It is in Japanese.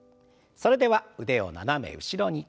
それでは腕を斜め後ろに。